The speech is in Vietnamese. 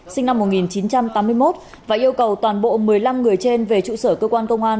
sinh năm một nghìn chín trăm tám mươi một và yêu cầu toàn bộ một mươi năm người trên về trụ sở cơ quan công an